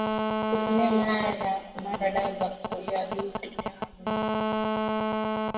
Kutumia mara kwa mara ya dawa za kuulia wadudu hukabiliana na ugonjwa wa ukurutu